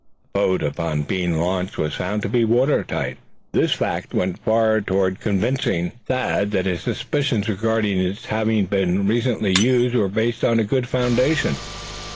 The boat upon being launched was found to be water tight. This fact went far toward convincing Thad that his suspicions regarding its having been recently used were based on a good foundation.